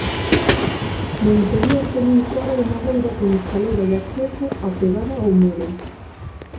No interior ten un coro de madeira con escaleira de acceso apegada ao muro.